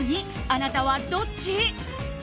あなたはどっち？